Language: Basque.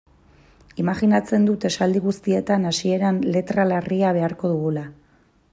Imajinatzen dut esaldi guztietan hasieran letra larria beharko dugula.